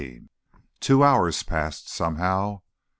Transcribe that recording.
16 Two hours passed, somehow.